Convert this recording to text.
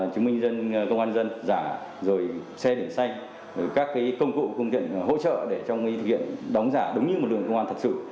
chứng minh công an dân giả rồi xe đỉnh xanh các cái công cụ công tiện hỗ trợ để cho người thực hiện đóng giả đúng như một đường công an thật sự